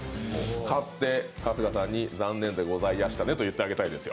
勝って春日さんに、残念でございやしたねと言ってやりたいですよ。